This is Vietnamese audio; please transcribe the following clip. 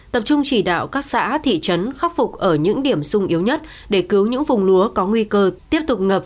tập trung chỉ đạo các xã thị trấn khắc phục ở những điểm sung yếu nhất để cứu những vùng lúa có nguy cơ tiếp tục ngập